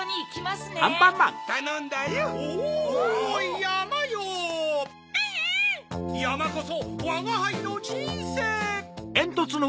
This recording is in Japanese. やまこそわがはいのじんせい！